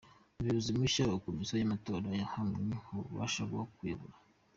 Umuyobozi mushya wa Komisiyo y’amatora yahawe ububasha bwo kuyobora